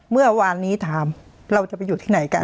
เมื่อวานนี้ถามเราจะไปอยู่ที่ไหนกัน